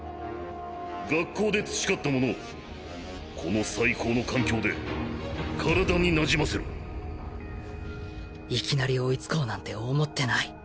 学校で培ったものをこの最高の環境で体になじませろいきなり追いつこうなんて思ってない